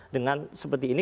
dengan seperti ini